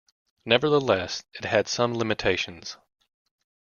Nevertheless, it had some limitations.